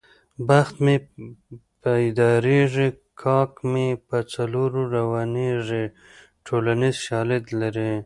بخت مې پیدارېږي کاک مې په څلور روانېږي ټولنیز شالید لري